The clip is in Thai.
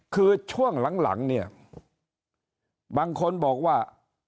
คือช่วงหลังเนี่ยบางคนบอกว่า